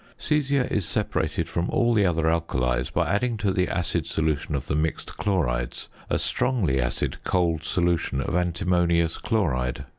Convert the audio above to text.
Caesia is separated from all the other alkalies by adding to the acid solution of the mixed chlorides a strongly acid cold solution of antimonious chloride.